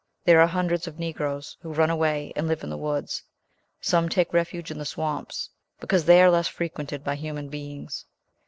There are hundreds of Negroes who run away and live in the woods. Some take refuge in the swamps, because they are less frequented by human beings.